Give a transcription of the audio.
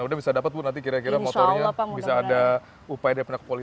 kalau kita dapat tuh nanti kira kira motornya bisa ada upaya dari pendakwa polis